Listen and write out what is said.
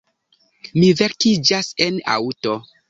Mi vekiĝas en aŭto.